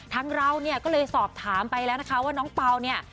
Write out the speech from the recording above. เราเนี่ยก็เลยสอบถามไปแล้วนะคะว่าน้องเปล่าเนี่ย